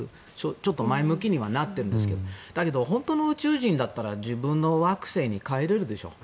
ちょっと前向きにはなってるんですけどだけど、本当の宇宙人だったら自分の惑星に帰れるでしょと。